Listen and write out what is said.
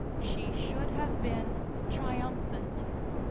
She should have been triumphant.